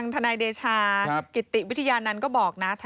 กวางจากกระติวิทยานั้นก็บอก